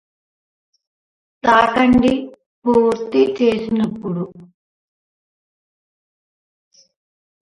సర్వం ఖల్విదం బ్రహ్మ యను శ్రుతిపద్ధతి